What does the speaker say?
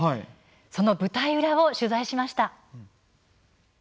その舞台裏を取材しました。